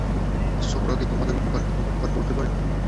অথবা ওরা কি তোমাদের উপকার কিংবা অপকার করতে পারে?